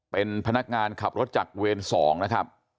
เป็นพนักงานขับรถจากเวร๒นะครับ